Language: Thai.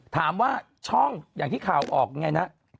ถามว่าช่องอย่างที่ข่าวออกอย่างเงี้ยนะ